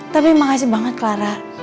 tapi makasih banget clara